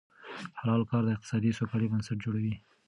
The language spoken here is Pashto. حلال کار د اقتصادي سوکالۍ بنسټ جوړوي.